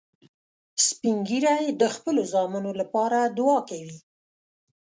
سپین ږیری د خپلو زامنو لپاره دعا کوي